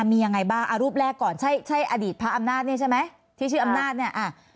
มียังไงบ้างเอารูปแรกก่อนใช่ใช่อดีตพระอำนาจนี่ใช่ไหมที่ชื่ออำนาจเนี่ย